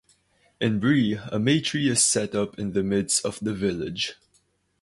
In Brie a May-tree is set up in the midst of the village.